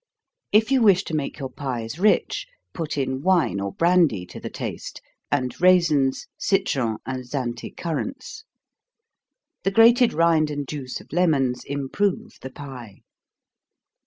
If you wish to make your pies rich, put in wine or brandy to the taste, and raisins, citron, and Zante currants. The grated rind and juice of lemons improve the pie.